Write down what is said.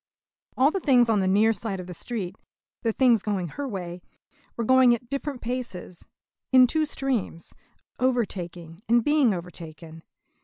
All the things on the near side of the street the things going her way were going at different paces, in two streams, overtaking and being overtaken.